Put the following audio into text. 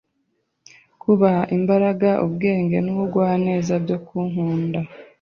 kubaha imbaraga, ubwenge n’ubugwaneza byo kunkunda